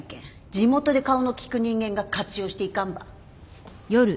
地元で顔の利く人間が活用していかんば。